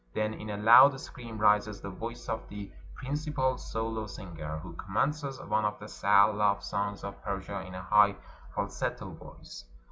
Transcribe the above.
Then in a loud scream rises the voice of the principal solo singer, who commences one of the sad love songs of Persia in a high falsetto voice.